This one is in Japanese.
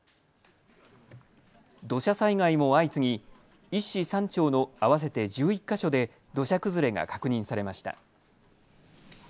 土砂災害も相次ぎ１市３町の合わせて１１か所で土砂崩れが確認されました。